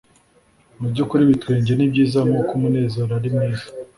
Mubyukuri ibitwenge nibyiza nkuko umunezero ari mwiza